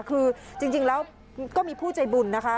คือจริงแล้วก็มีผู้ใจบุญนะคะ